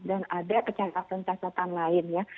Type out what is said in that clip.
dan ada kecacatan cacatan lain ya